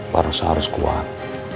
barusan harus kuat